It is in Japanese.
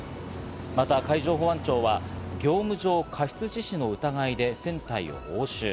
また海上保安庁は業務上過失致死の疑いで船体を押収。